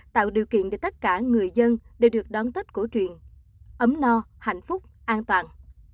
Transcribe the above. tạo điều kiện để tất cả người dân đều được đón tết cổ truyền ấm no hạnh phúc an toàn